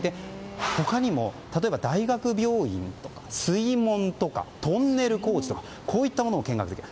他にも、例えば大学病院とか水門とかトンネル工事とかといったものも見学できる。